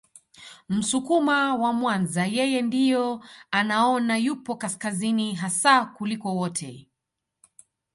Msukuma wa Mwanza yeye ndio anaona yupo kaskazini hasa kuliko wote